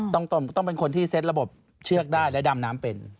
ต้องเป็นคนที่เซ็ตระบบเชือกได้และดำน้ำเป็น